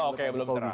oh oke belum terang